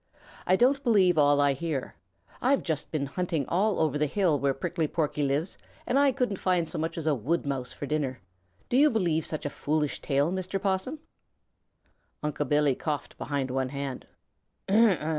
"I don't believe all I hear. I've just been hunting all over the hill where Prickly Porky lives, and I couldn't find so much as a Wood Mouse for dinner. Do you believe such a foolish tale, Mr. Possum?" Unc' Billy coughed behind one hand.